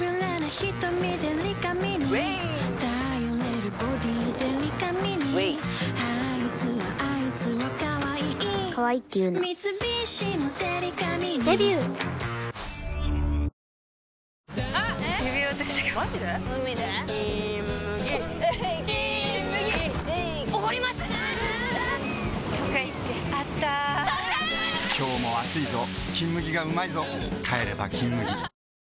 今日も暑いぞ「金麦」がうまいぞ帰れば「金麦」